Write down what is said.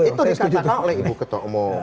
itu dikatakan oleh ibu ketua umum